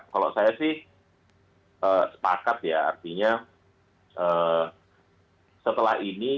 kalau saya sih sepakat ya artinya setelah ini